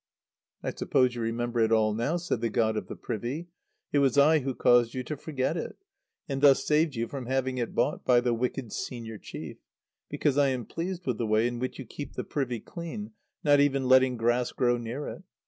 "I suppose you remember it all now," said the God of the Privy; "it was I who caused you to forget it, and thus saved you from having it bought by the wicked senior chief, because I am pleased with the way in which you keep the privy clean, not even letting grass grow near it.